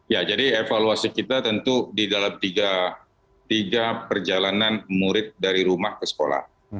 ya jadi evaluasi kita tentu di dalam tiga perjalanan murid dari rumah ke sekolah